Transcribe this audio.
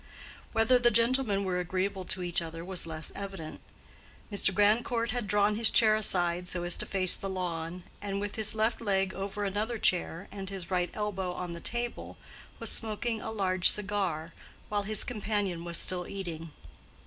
Whether the gentlemen were agreeable to each other was less evident. Mr. Grandcourt had drawn his chair aside so as to face the lawn, and with his left leg over another chair, and his right elbow on the table, was smoking a large cigar, while his companion was still eating.